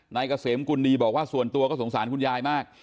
เกษมกุลดีบอกว่าส่วนตัวก็สงสารคุณยายมาก